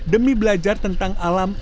demi belajar tentang alam